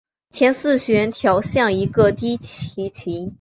前四弦调像一个低提琴。